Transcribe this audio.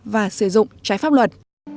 và sử dụng trái pháp luật